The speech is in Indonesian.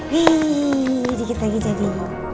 wih dikit lagi jadi